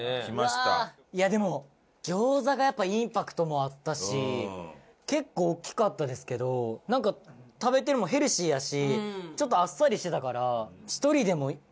いやでも餃子がやっぱインパクトもあったし結構大きかったですけどなんか食べてもヘルシーやしちょっとあっさりしてたから。